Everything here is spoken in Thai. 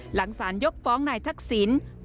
หลังสารยกฟ้องนายทักษิณ